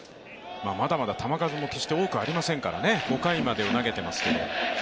まだまだ球数も決して多くないですからね、５回まで投げていますけれども。